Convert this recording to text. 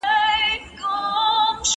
د سولي ږغ د نړۍ د هر وګړي ارمان دی.